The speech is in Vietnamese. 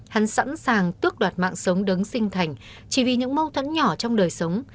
hắn sẵn sàng tước đoạt mạng sống đứng sinh thành chỉ vì những mâu thuẫn nhỏ trong đời sống